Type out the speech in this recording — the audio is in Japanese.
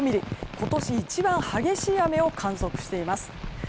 今年一番激しい雨を観測しています。